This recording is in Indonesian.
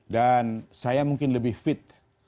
dan saya mungkin lebih fit